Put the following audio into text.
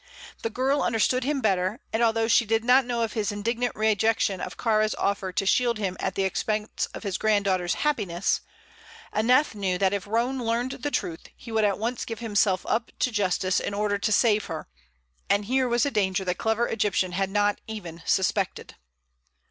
The girl understood him better, and although she did not know of his indignant rejection of Kāra's offer to shield him at the expense of his granddaughter's happiness, Aneth knew that if Roane learned the truth he would at once give himself up to justice in order to save her; and here was a danger the clever Egyptian had not even suspected.